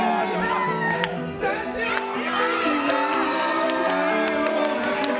今、スタジオに！